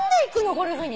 ゴルフに。